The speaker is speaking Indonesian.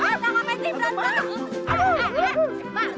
upati selamat datang